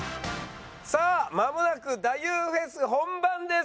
さあまもなく太夫フェス本番です。